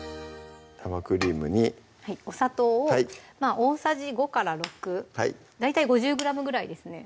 生クリームにはいお砂糖を大さじ５６大体５０ｇぐらいですね